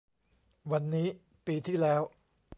วันนี้ ปีที่แล้ว